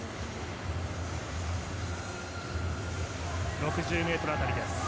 ６０ｍ辺りです。